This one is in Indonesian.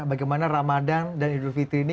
bagaimana ramadan dan idul fitri ini